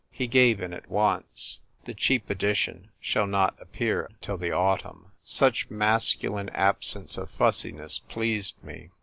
He gave in at once. The cheap edition shall not appear till the autumn." Such masculine absence of fussiness pleased me.